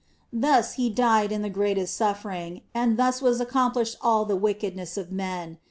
Thus He died in the greatest suffering, and thus was accomplished all the wickedness of men.